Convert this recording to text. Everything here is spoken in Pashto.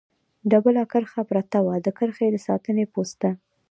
ډبله کرښه پرته وه، د کرښې د ساتنې پوسته.